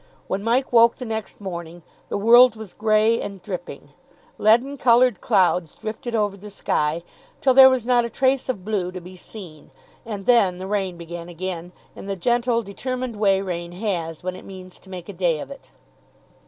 When Mike woke the next morning the world was grey and dripping. Leaden coloured clouds drifted over the sky, till there was not a trace of blue to be seen, and then the rain began again, in the gentle, determined way rain has when it means to make a day of it.